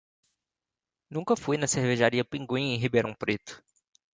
Nunca fui na cervejaria Pinguim em Ribeirão Preto.